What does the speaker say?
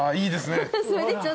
いいですね。